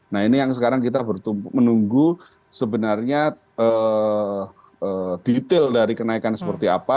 nah ini yang sekarang kita menunggu sebenarnya detail dari kenaikan seperti apa